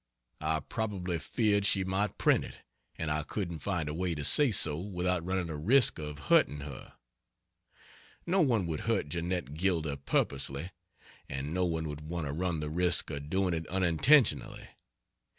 I probably feared she might print it, and I couldn't find a way to say so without running a risk of hurting her. No one would hurt Jeannette Gilder purposely, and no one would want to run the risk of doing it unintentionally.